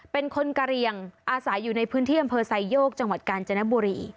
เป็นคนกะเรียงอาศัยอยู่ในพื้นที่อำเภอไซโยกจังหวัดกาญจนบุรี